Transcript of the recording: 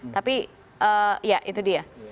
tapi ya itu dia